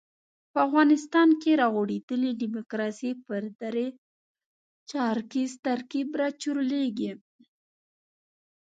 په افغانستان کې را غوړېدلې ډیموکراسي پر درې چارکیز ترکیب راچورلېږي.